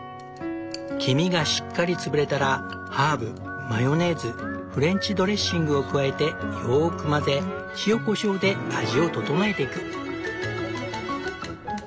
黄身がしっかり潰れたらハーブマヨネーズフレンチドレッシングを加えてよく混ぜ塩こしょうで味を調えていく。